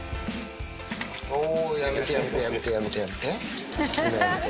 おー、やめてやめてやめてやめて。